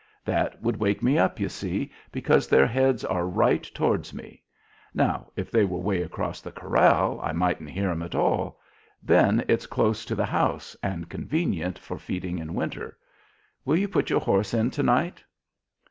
That would wake me up, you see, because their heads are right towards me. Now, if they were way across the corral I mightn't hear 'em at all. Then it's close to the house, and convenient for feeding in winter. Will you put your horse in to night?"